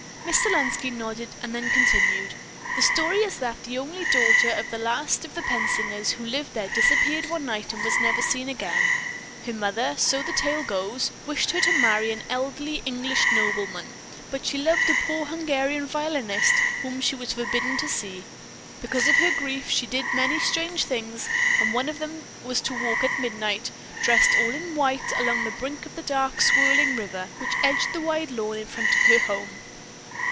Miss Selenski nodded, and then continued: "The story is that the only daughter of the last of the Pensingers who lived there disappeared one night and was never again seen. Her mother, so the tale goes, wished her to marry an elderly English nobleman, but she loved a poor Hungarian violinist whom she was forbidden to see. Because of her grief, she did many strange things, and one of them was to walk at midnight, dressed all in white, along the brink of the dark swirling river which edged the wide lawn in front of her home.